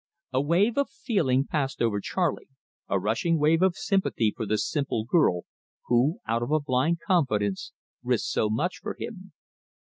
A wave of feeling passed over Charley, a rushing wave of sympathy for this simple girl, who, out of a blind confidence, risked so much for him.